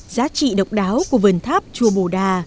giá trị độc đáo của vườn tháp chùa bồ đa